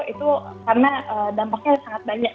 itu karena dampaknya sangat banyak